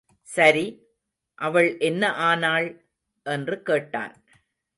சரி, அவள் என்ன ஆனாள்? என்று கேட்டான்.